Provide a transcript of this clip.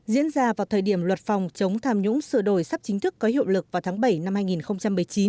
diễn ra vào thời điểm luật phòng chống tham nhũng sửa đổi sắp chính thức có hiệu lực vào tháng bảy năm hai nghìn một mươi chín